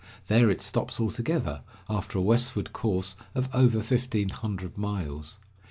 There it stops altogether, after a westward course of over fifteen hundred miles.